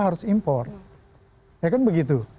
harus impor ya kan begitu